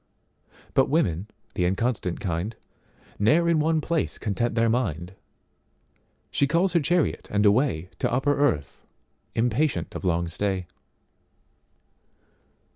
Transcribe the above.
But women, the inconstant kind, Ne'er in one place content their mind, She calls her chariot and awayTo upper earth—impatient of long stay.